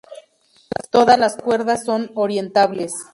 Todas las cuerdas son orientables.